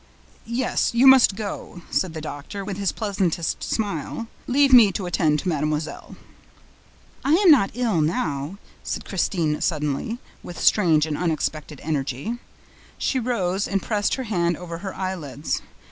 "Yes, you must go," said the doctor, with his pleasantest smile. "Leave me to attend to mademoiselle." "I am not ill now," said Christine suddenly, with strange and unexpected energy. She rose and passed her hand over her eyelids.